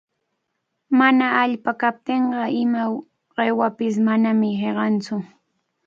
Mana allpa kaptinqa ima qiwapish manami hiqanmantsu.